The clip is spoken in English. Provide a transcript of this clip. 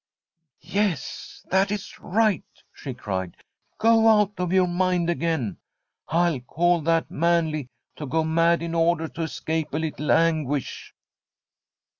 * Yes, that is right, she cried ;* go out of your mind again. I call that manly to go mad in order to escape a little anguish.'